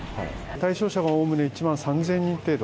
対象者はおおむね１万３０００人程度。